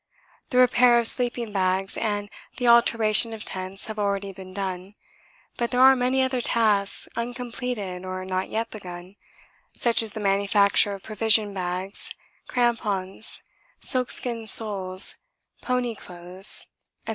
The repair of sleeping bags and the alteration of tents have already been done, but there are many other tasks uncompleted or not yet begun, such as the manufacture of provision bags, crampons, sealskin soles, pony clothes, &c.